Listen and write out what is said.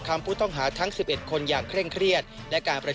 จอบประเด็นจากรายงานของคุณศักดิ์สิทธิ์บุญรัฐครับ